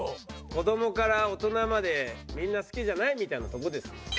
子供から大人までみんな好きじゃない？みたいなとこですよ。